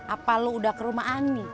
apa lo udah ke rumah ani